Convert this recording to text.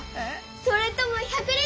それとも１００Ｌ？